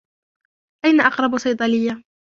أين أقرب صيدلية ؟